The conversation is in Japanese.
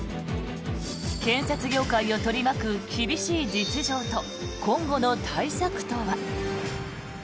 建設業界を取り巻く厳しい実情と今後の対策とは。